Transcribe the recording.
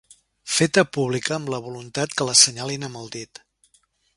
Feta pública amb la voluntat que l'assenyalin amb el dit.